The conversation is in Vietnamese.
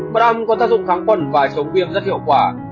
mật ong có tác dụng kháng quần và chống viêm rất hiệu quả